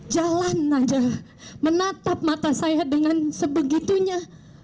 jalan aja menatap mata saya dengan sebegitunya